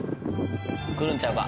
くるんちゃうか？